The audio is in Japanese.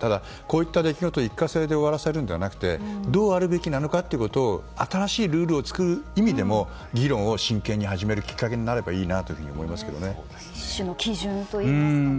ただ、こうした出来事を一過性で終わらせるんじゃなくてどうあるべきなのかということを新しいルールを作る意味でも議論を真剣に始める一種の基準といいますかね。